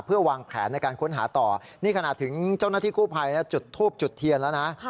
เพื่อวางแผนในการค้นหาต่อนี่ขณะถึงเจ้าหน้าที่กู้ภัยจุดทูบจุดเทียนแล้วนะ